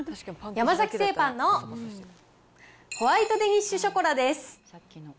山崎製パンのホワイトデニッシュショコラです。